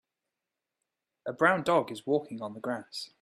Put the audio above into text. A brown dog is walking on the grass.